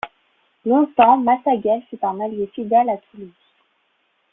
Longtemps, Massaguel fut un allié fidèle à Toulouse.